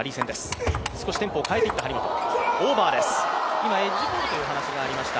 今エッジボールという話がありました